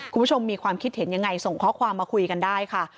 คุณผู้ชมมีความคิดเห็นยังไงส่งข้อความมาคุยกันได้ค่ะ